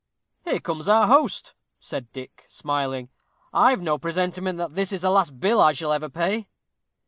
"Here comes our host," said Dick, smiling. "I've no presentiment that this is the last bill I shall ever pay."